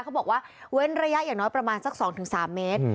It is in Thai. เขาบอกว่าเว้นระยะอย่างน้อยประมาณสัก๒๓เมตร